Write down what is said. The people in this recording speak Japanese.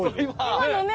今のね！